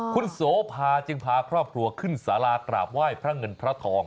คุณโสภาจึงพาครอบครัวขึ้นสารากราบไหว้พระเงินพระทอง